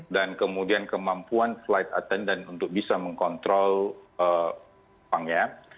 dan kemudian kemampuan flight attendant untuk bisa mengkontrol pangnya